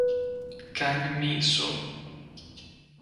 Kang Min-soo